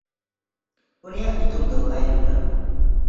ᱩᱱᱤᱭᱟᱜ ᱧᱩᱛᱩᱢ ᱫᱚ ᱠᱟᱭᱞᱩᱱ ᱠᱟᱱᱟ᱾